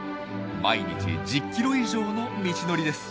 毎日１０キロ以上の道のりです。